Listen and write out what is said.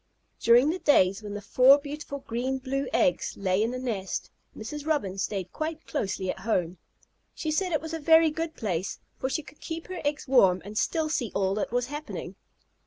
During the days when the four beautiful green blue eggs lay in the nest, Mrs. Robin stayed quite closely at home. She said it was a very good place, for she could keep her eggs warm and still see all that was happening.